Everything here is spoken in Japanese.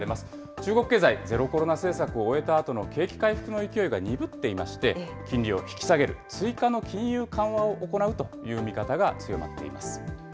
中国経済、ゼロコロナ政策を終えたあとの景気回復の勢いが鈍っていまして、金利を引き下げる追加の金融緩和を行うという見方が強まっています。